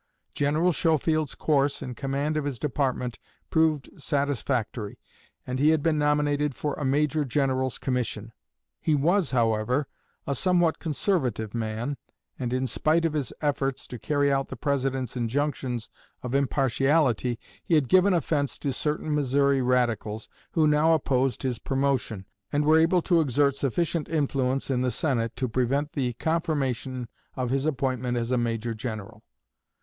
General Schofield's course in command of his department proved satisfactory, and he had been nominated for a Major General's commission. He was, however, a somewhat conservative man, and in spite of his efforts to carry out the President's injunctions of impartiality, he had given offense to certain Missouri radicals, who now opposed his promotion, and were able to exert sufficient influence in the Senate to prevent the confirmation of his appointment as a Major General.